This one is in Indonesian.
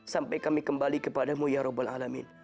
sampai kami kembali kepadamu ya rabbil alamin